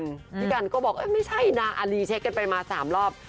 พี่กันก็บอกไม่ใช่นะอารีเช็คกันไปมา๓รอบ